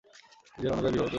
সে রণজয় কে বিবাহ করে।